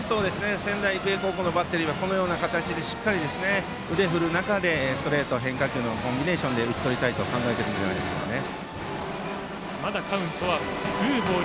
仙台育英高校のバッテリーは、このような形でしっかり腕を振る中でストレート、変化球のコンビネーションで打ち取りたいと考えているんじゃないでしょうかね。